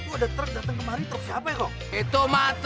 itu maatrek sampah kita maaf